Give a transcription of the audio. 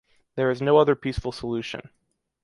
There is no other peaceful solution.